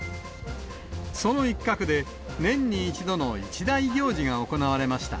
その一角で、年に１度の一大行事が行われました。